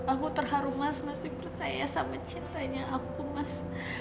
aku terharu mas masih percaya sama cintanya aku mas